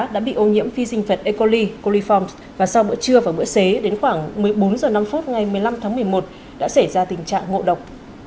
đã bị ô nhiễm phi sinh vật e coli coliforms và sau bữa trưa và bữa xế đến khoảng một mươi bốn h năm ngày một mươi năm tháng một mươi một đã xảy ra tình trạng ngộ độc